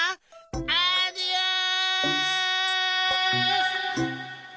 アディオス！